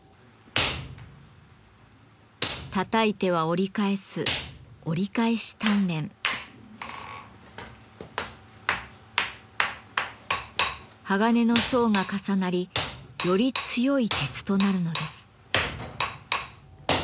たたいては折り返す鋼の層が重なりより強い鉄となるのです。